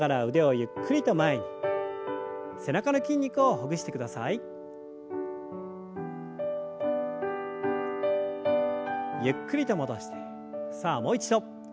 ゆっくりと戻してさあもう一度。